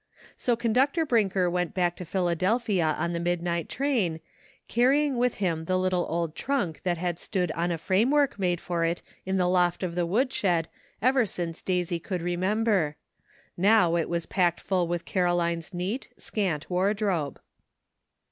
So Conductor Brinker went back to Philadelphia on the midnight train, carrying with him the little old trunk that had stood on 150 DARK DAYS. a framework made for it in the loft of the woodshed ever since Daisy conld remenil)er ', now it was packed full with Caroline's neat, scant wardrobe.